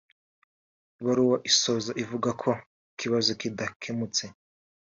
Ibaruwa isoza ivuga ko ikibazo kidakemutse